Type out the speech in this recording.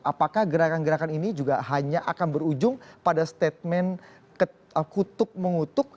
apakah gerakan gerakan ini juga hanya akan berujung pada statement kutub mengutuk